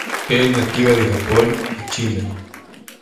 E nativa de Japón y China.